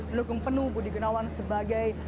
mendukung penuh budi gunawan sebagai